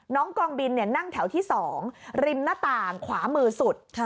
กองบินนั่งแถวที่๒ริมหน้าต่างขวามือสุด